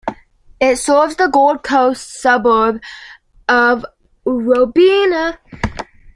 It serves the Gold Coast suburb of Robina.